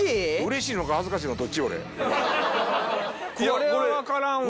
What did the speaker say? これは分からんわ。